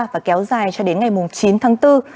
và kéo dài cho đến ngày chín tháng bốn